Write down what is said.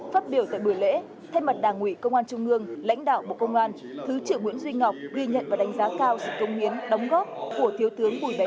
phát biểu tại buổi lễ thay mặt đảng ủy công an trung ương lãnh đạo bộ công an thứ trưởng nguyễn duy ngọc ghi nhận và đánh giá cao sự công hiến đóng góp của thiếu tướng vui vẻ